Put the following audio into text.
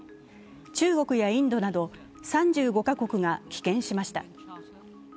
中国やインドなど３５か国が棄権しました。